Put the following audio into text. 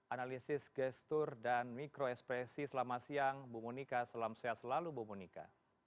analisis gestur dan mikro ekspresi selamat siang bu monika selamat siang selalu bu monika